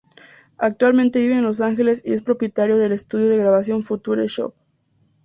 Actualmente vive en Los Ángeles y es propietario del estudio de grabación "Future Shock.